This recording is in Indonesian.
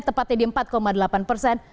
tepatnya di empat delapan persen